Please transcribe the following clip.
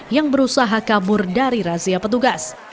yang berusaha kabur dari razia petugas